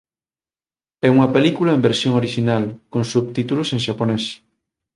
É unha película en versión orixinal con subtítulos en xaponés